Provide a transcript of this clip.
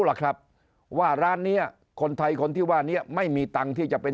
หรอกครับว่าร้านเนี้ยคนไทยคนที่ว่านี้ไม่มีตังค์ที่จะเป็น